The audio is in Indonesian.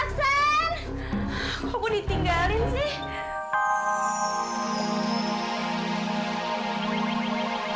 kalau kalau omah kamu itu celaka karena indira